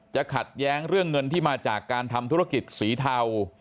ขัดแย้งเรื่องเงินที่มาจากการทำธุรกิจสีเทา